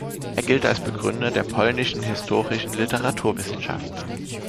Er gilt als Begründer der polnischen historischen Literaturwissenschaft.